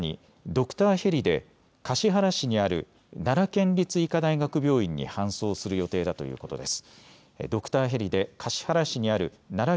ドクターヘリで橿原市にある奈良県立医科大学病院に搬送する予定だということです。